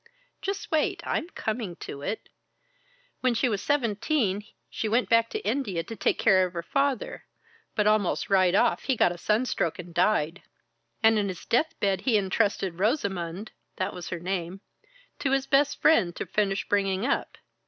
"Just wait! I'm coming to it. When she was seventeen she went back to India to take care of her father, but almost right off he got a sunstroke and died. And in his death bed he entrusted Rosamond that was her name to his best friend to finish bringing up.